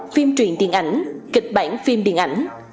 phim truyền điện ảnh kịch bản phim điện ảnh